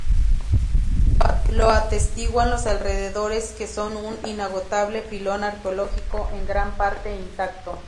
Lo atestiguan los alrededores, que son un inagotable filón arqueológico, en gran parte intacto.